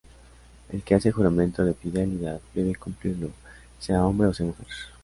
El que hace juramento de fidelidad debe cumplirlo, sea hombre o sea mujer.